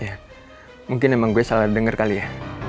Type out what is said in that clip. ya mungkin emang gua salah denger kali ya